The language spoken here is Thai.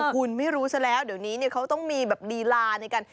คุณไม่รู้ซะแล้วเดี๋ยวนี้เขาต้องมีแบบลีลาในการ